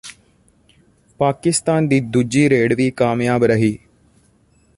ਪਾਕਿਸਤਾਨ ਦੀ ਦੂਜੀ ਰੇਡ ਵੀ ਕਾਮਯਾਬ ਰਹੀ